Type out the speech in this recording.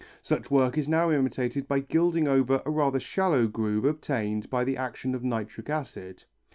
Such work is now imitated by gilding over a rather shallow groove obtained by the action of nitric acid.